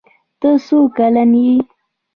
ته څو کلن يي